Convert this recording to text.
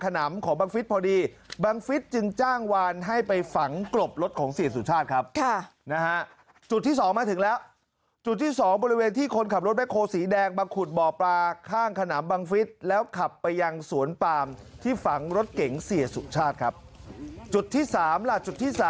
ขนำบังฤษฐ์แล้วขับไปอย่างสวนปามที่ฝังรถเก๋งสีเยสุชาติครับจุดที่๓ล่าจุดที่๓